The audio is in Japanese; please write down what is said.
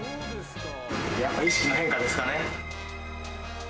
やっぱ意識の変化ですかね。